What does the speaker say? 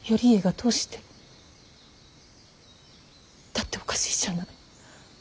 だっておかしいじゃない。